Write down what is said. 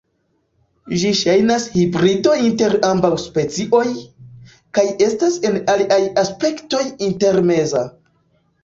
Ĝi ŝajnas hibrido inter ambaŭ specioj, kaj estas en aliaj aspektoj intermeza.